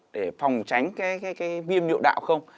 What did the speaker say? để phòng tránh cái viêm liệu đạo không